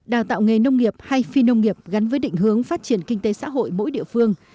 đào tạo nghề nông nghiệp hay phi nông nghiệp gắn với định hướng phát triển kinh tế xã hội mỗi địa phương